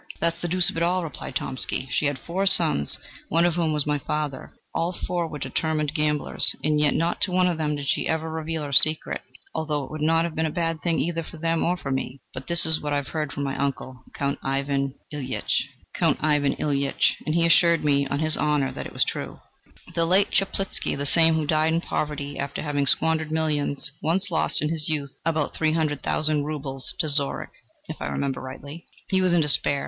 "That's the deuce of it!" replied Tomsky: "she had four sons, one of whom was my father; all four were determined gamblers, and yet not to one of them did she ever reveal her secret, although it would not have been a bad thing either for them or for me. But this is what I heard from my uncle, Count Ivan Ilyich, and he assured me, on his honour, that it was true. The late Chaplitzky the same who died in poverty after having squandered millions once lost, in his youth, about three hundred thousand roubles to Zorich, if I remember rightly. He was in despair.